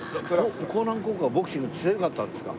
興南高校はボクシング強かったんですか？